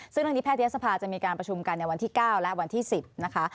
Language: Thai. ซึ่งเรื่องนี้แพทยศภาจะมีการประชุมกันในวันที่๙และวันที่๑๐นะคะ